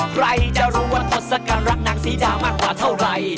ใครจะรู้ว่าทศกัณฐรักนางศรีดามากกว่าเท่าไหร่